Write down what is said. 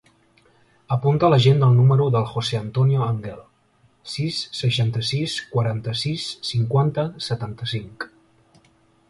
Apunta a l'agenda el número del José antonio Anghel: sis, seixanta-sis, quaranta-sis, cinquanta, setanta-cinc.